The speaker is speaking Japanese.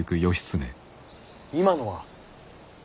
今のは？